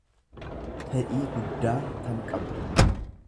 fedhii guddaa tan qabdu.